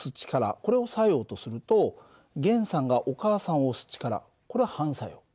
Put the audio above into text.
これを作用とすると源さんがお母さんを押す力これは反作用。